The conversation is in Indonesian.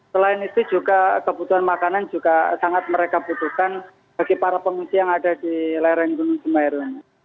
selain itu juga kebutuhan makanan juga sangat mereka butuhkan bagi para pengungsi yang ada di lereng gunung semeru